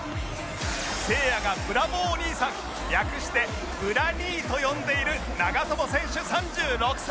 せいやがブラボー兄さん略してブラ兄と呼んでいる長友選手３６歳